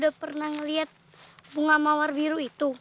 karena apa kamu sudah pernah melihat bunga mawar biru itu